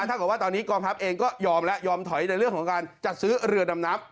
เท่ากับว่าตอนนี้กองทัพเองก็ยอมแล้วยอมถอยในเรื่องของการจัดซื้อเรือดำน้ำ